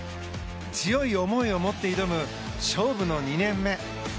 強い思いを持って挑む勝負の２年目。